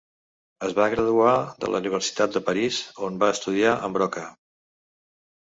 Es va graduar de la Universitat de París on va estudiar amb Broca.